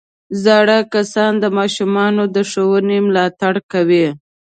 زاړه کسان د ماشومانو د ښوونې ملاتړ کوي